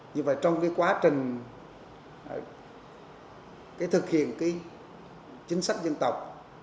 như vậy trong quá trình thực hiện chính sách dân tộc